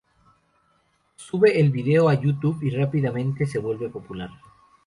Sube el vídeo a YouTube y rápidamente se vuelve popular.